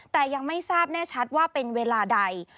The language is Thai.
แต่ยังไม่ทราบแน่ชัดว่าเป็นเวลาใด